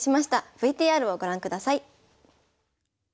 ＶＴＲをご覧ください。